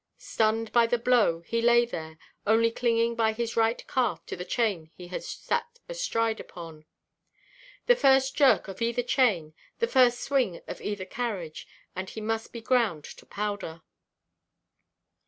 Stunned by the blow, he lay there, only clinging by his right calf to the chain he had sat astride upon. The first jerk of either chain, the first swing of either carriage, and he must be ground to powder.